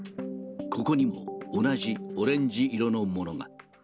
ここにも、同じオレンジ色のものが。